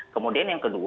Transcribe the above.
kemudian yang kedua